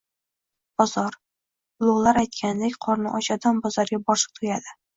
Bozor. Ulug‘lar aytganidek, qorni och odam bozorga borsa, to‘yadi.